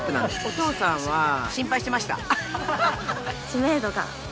お父さんは心配してました。